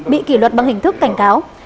bị kỷ luật bằng hình thức cảnh cáo